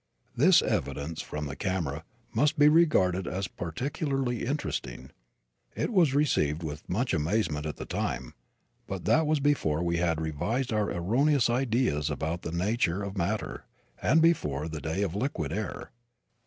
This evidence from the camera must be regarded as particularly interesting. It was received with much amazement at the time, but that was before we had revised our erroneous ideas about the nature of matter and before the day of liquid air.